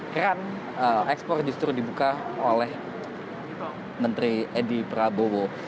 keran ekspor justru dibuka oleh menteri edi prabowo